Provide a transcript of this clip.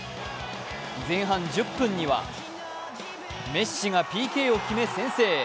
前半１０分にはメッシがＰＫを決め、先制。